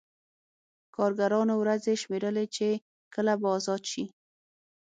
کارګرانو ورځې شمېرلې چې کله به ازاد شي